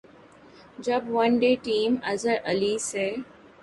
جب one day team Azhar Ali سے